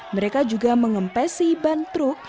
mereka juga mengempesi ban truk